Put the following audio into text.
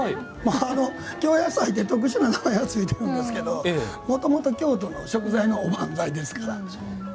京野菜って特殊な名前が付いてるんですけどもともと京都の食材のおばんざいですから。